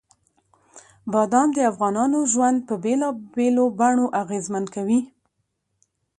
بادام د افغانانو ژوند په بېلابېلو بڼو اغېزمن کوي.